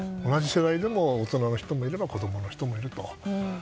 同じ世代でも大人の人もいれば子供の人もいると。